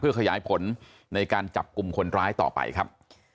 ขยายผลในการจับกลุ่มคนร้ายต่อไปครับ